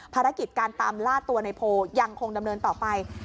ภารกิจการตามล่าตัวในโพยังคงดำเนินต่อไป